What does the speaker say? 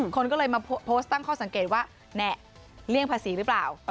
คนก็เลยมาโพสต์ตั้งข้อสังเกตว่าแน่เลี่ยงภาษีหรือเปล่า